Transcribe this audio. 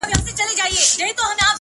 کومه ورځ چي تاته زه ښېرا کوم’